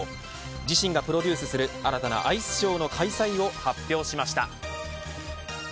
自身がプロデュースする新たなアイスショーの開催を発表しました。